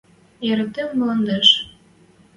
яратым мӱлӓндеш